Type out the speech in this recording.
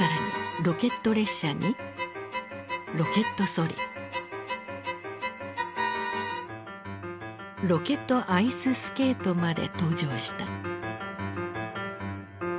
更にロケットアイススケートまで登場した。